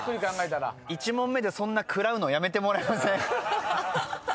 １問目でそんな食らうのやめてもらえません？